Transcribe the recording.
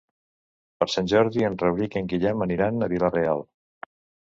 Per Sant Jordi en Rauric i en Guillem aniran a Vila-real.